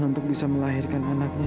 untuk bisa melahirkan anaknya